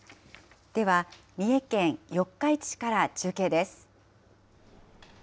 では、三重県四日市市から中継です。